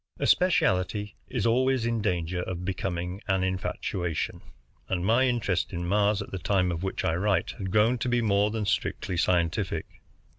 A specialty is always in danger of becoming an infatuation, and my interest in Mars, at the time of which I write, had grown to be more than strictly scientific.